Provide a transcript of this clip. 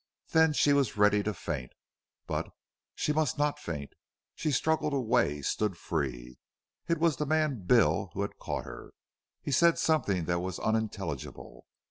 Then she was ready to faint, but she must not faint. She struggled away, stood free. It was the man Bill who had caught her. He said something that was unintelligible.